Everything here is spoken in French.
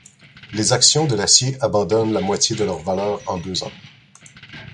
Les actions de l'acier abandonnent la moitié de leur valeur en deux ans.